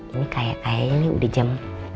ini kayak kayaknya udah jam